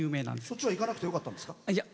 そっちは行かなくてよかったんですか？